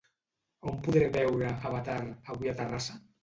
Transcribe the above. On podré veure "Avatar" avui a Terrassa?